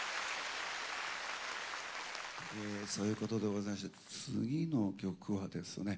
そういうことでございまして次の曲はですね